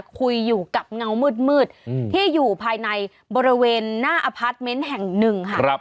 คุยอยู่กับเงาะมืดมืดอืมที่อยู่ภายในบริเวณหน้าแห่งหนึ่งค่ะครับ